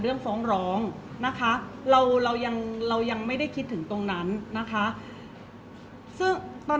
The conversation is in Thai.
เพราะว่าสิ่งเหล่านี้มันเป็นสิ่งที่ไม่มีพยาน